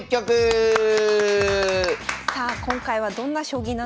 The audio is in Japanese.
今回はどんな将棋なんでしょうか。